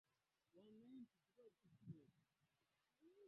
Kisha twasujudu